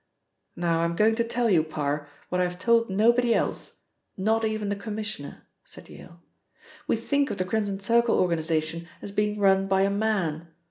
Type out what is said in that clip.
"Now, I'm going to tell you, Parr, what I have told nobody else, not even the Commissioner," said Yale. "We think of the Crimson Circle organisation as being run by a man.